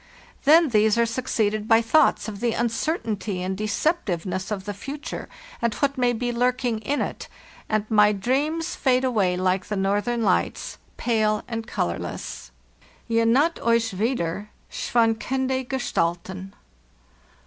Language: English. Then these are succeeded by thoughts of the uncer tainty and deceptiveness of the future and what may be lurking in it, and my dreams fade away like the northern lights, pale and colorless. "«Thr naht euch wieder, schwankende Gestalten.